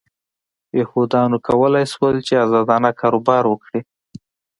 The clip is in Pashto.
یهودیانو کولای شول چې ازادانه کاروبار وکړي.